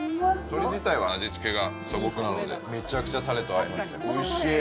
鶏自体は味付けが素朴なのでめちゃくちゃタレと合いますね